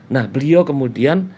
nah beliau kemudian